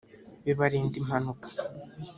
bibarinda impanuka